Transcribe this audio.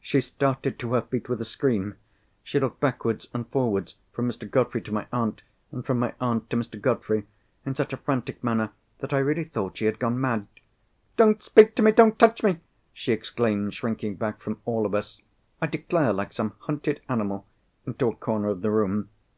She started to her feet with a scream. She looked backwards and forwards from Mr. Godfrey to my aunt, and from my aunt to Mr. Godfrey, in such a frantic manner that I really thought she had gone mad. "Don't speak to me! Don't touch me!" she exclaimed, shrinking back from all of us (I declare like some hunted animal!) into a corner of the room.